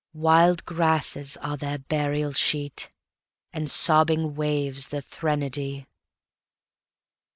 Wild grasses are their burial sheet, And sobbing waves their threnody.